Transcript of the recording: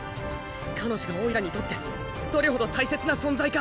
彼女がおいらにとってどれほど大切な存在か。